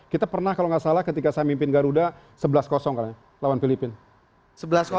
kita pernah kalau nggak salah ketika saya mimpin garuda sebelas lawan filipina